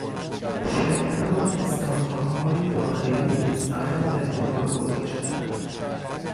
شرکتها و استارتآپهای داخلی نیز قدم در این راه گذاشتهاند